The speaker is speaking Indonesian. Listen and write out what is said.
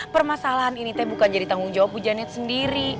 permasalahan ini teh bukan jadi tanggung jawab pujani sendiri